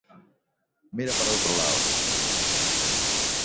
Mira para outro lado.